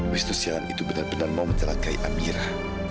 wisnu silhan itu benar benar mau mencelakai amira